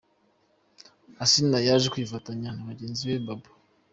Asinah yaje kwifatanya na mugenzi we Babo.